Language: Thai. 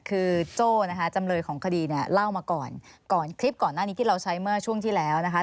คือโจ้นะคะจำเลยของคดีเนี่ยเล่ามาก่อนก่อนคลิปก่อนหน้านี้ที่เราใช้เมื่อช่วงที่แล้วนะคะ